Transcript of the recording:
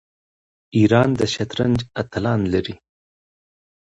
ایران د شطرنج اتلان لري.